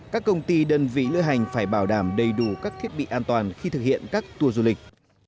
các công ty đơn vị lữ hành phải bảo đảm đầy đủ các thiết bị an toàn khi thực hiện các tour du lịch